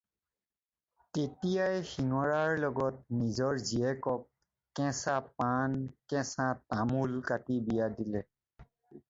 তেতিয়াই শিঙৰাৰ লগত নিজৰ জীয়েকক কেঁচা পাণ, কেঁচা তামোল কাটি বিয়া দিলে।